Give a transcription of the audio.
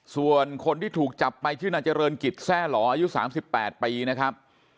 ส่วนคนที่ถูกจับไปชื่อนาจรณกิตแส่หลออายุสามสิบแปดปีนะครับ